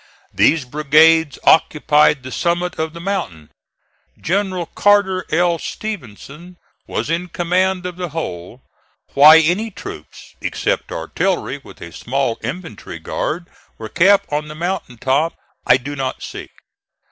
These brigades occupied the summit of the mountain. General Carter L. Stevenson was in command of the whole. Why any troops, except artillery with a small infantry guard, were kept on the mountain top, I do not see.